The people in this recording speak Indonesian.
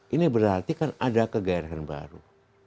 ini berarti kan ada kegairahan baru